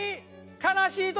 悲しい時。